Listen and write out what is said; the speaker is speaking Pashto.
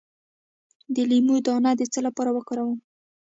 د لیمو دانه د څه لپاره وکاروم؟